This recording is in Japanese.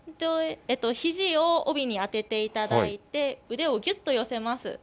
ひじを帯に当てていただいて、腕をぎゅっと寄せます。